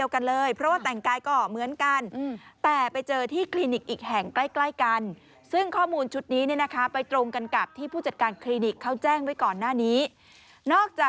อย่างตรงนี้นะคะเธอก็จำได้งั้นคงไม่ได้นอกจากเจ้าตา